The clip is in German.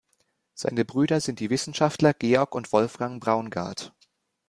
Seine Brüder sind die Wissenschaftler Georg und Wolfgang Braungart.